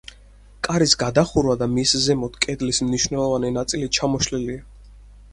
კარის გადახურვა და მის ზემოთ კედლის მნიშვნელოვანი ნაწილი ჩამოშლილია.